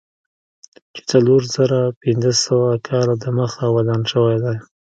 چې څلور زره پنځه سوه کاله دمخه ودان شوی دی.